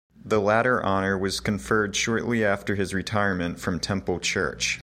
The latter honour was conferred shortly after his retirement from Temple Church.